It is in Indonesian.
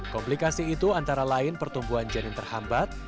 komplikasi itu antara lain pertumbuhan janin terhambat